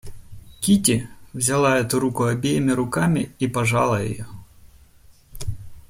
Кити взяла эту руку обеими руками и пожала ее.